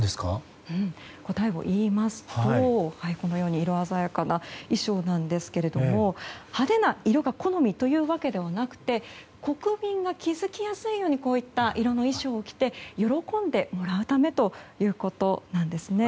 答えを言いますとこのように色鮮やかな衣装なんですけども派手な色が好みというわけではなくて国民が気付きやすいようにこういった色の衣装を着て喜んでもらうためということなんですね。